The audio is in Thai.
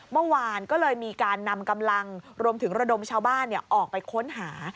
เมื่อวานก็เลยมีการนำกำลังรวมถึงระดมชาวบ้านออกไปค้นหา